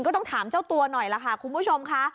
ก็ต้องถามเจ้าตัวหน่อยล่ะค่ะคุณผู้ชมค่ะ